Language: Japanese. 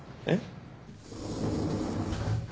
えっ？